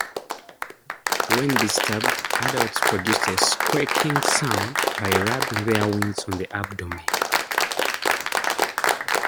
When disturbed, adults produce a squeaking sound by rubbing their wings on the abdomen.